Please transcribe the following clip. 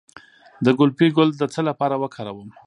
د ګلپي ګل د څه لپاره وکاروم؟